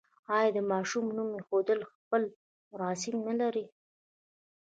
آیا د ماشوم نوم ایښودل خپل مراسم نلري؟